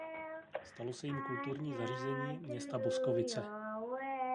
Stalo se jím Kulturní zařízení města Boskovice.